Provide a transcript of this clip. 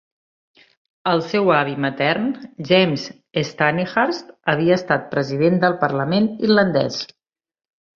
El seu avi matern, James Stanihurst, havia estat president del Parlament irlandès.